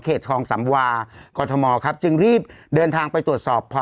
ทองสำวากรทมครับจึงรีบเดินทางไปตรวจสอบพอ